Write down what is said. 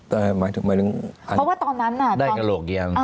หมายถึงอันนั้นเพราะว่าตอนนั้นน่ะได้กระโหลกอีกอัน